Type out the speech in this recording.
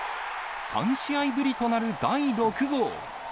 ３試合ぶりとなる第６号。